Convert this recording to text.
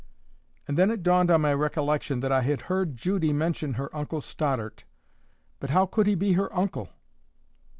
And then it dawned on my recollection that I had heard Judy mention her uncle Stoddart. But how could he be her uncle?